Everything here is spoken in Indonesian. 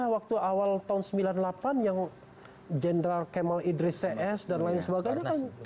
waktu awal tahun sembilan puluh delapan yang general kemal idris cs dan lain sebagainya kan